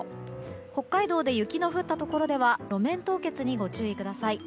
北海道で雪の降ったところでは路面凍結にご注意ください。